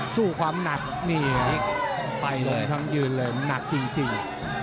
สู้ความหนักนี่ไปเลยทั้งยืนเลยหนักจริง